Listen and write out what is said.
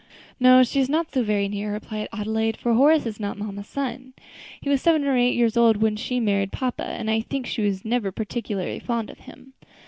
"No, she is not so very near," replied Adelaide, "for Horace is not mamma's son. He was seven or eight years old when she married papa, and I think she was never particularly fond of him."